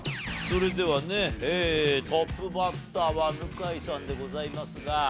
それではねトップバッターは向井さんでございますが。